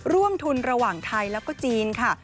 ร่วมทุนระหว่างไทยแล้วก็จีนค่ะ